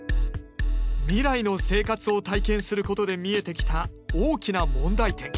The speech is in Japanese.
未来の生活を体験することで見えてきた大きな問題点。